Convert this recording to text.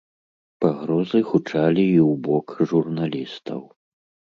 Пагрозы гучалі і ў бок журналістаў.